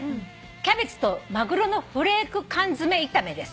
「キャベツとまぐろのフレーク缶詰炒めです」